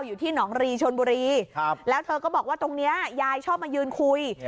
อยู่ที่หนองรีชนบุรีแล้วเธอก็บอกว่าตรงนี้ยายชอบมายืนคุย